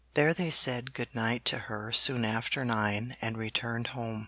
There they said good night to her soon after nine, and returned home.